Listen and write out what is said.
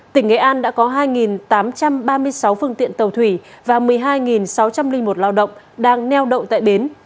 tỉnh nghệ an đã có hai tám trăm ba mươi sáu phương tiện tàu thủy và một mươi hai sáu trăm linh một lao động đang neo đậu tại bến